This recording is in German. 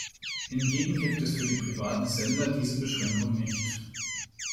Hingegen gibt es für die privaten Sender diese Beschränkung nicht.